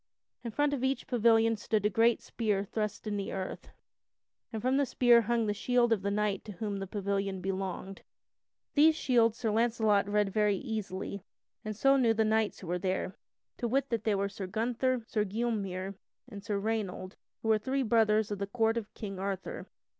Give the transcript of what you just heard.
In front of each pavilion stood a great spear thrust in the earth, and from the spear hung the shield of the knight to whom the pavilion belonged. These shields Sir Launcelot read very easily, and so knew the knights who were there. To wit: that they were Sir Gunther, Sir Gylmere, and Sir Raynold, who were three brothers of the Court of King Arthur.